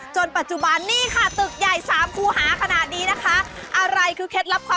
จนปัจจุบันนี่ค่ะตึกใหญ่๓ครูหาขนาดนี้นะคะ